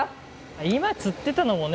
今釣ってたのもね